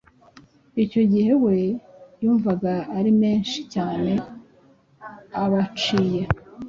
icyo gihe we yumvaga ari menshi cyane abaciye.